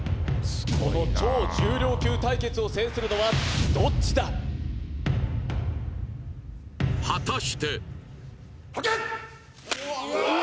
この超重量級対決を制するのはどっちだ果たしてはっけよい！